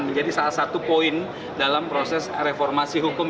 menjadi salah satu poin dalam proses reformasi hukum